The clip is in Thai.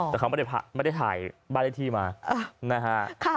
แต่เขาไม่ได้ถ่ายบ้านเลขที่มานะฮะ